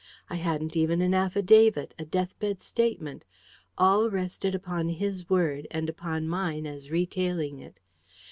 I hadn't even an affidavit, a death bed statement. All rested upon his word, and upon mine as retailing it.